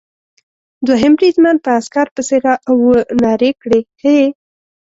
دوهم بریدمن په عسکر پسې را و نارې کړې: هې!